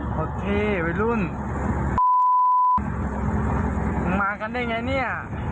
พอเท่เวลุ้นมากันได้ไงเนี้ย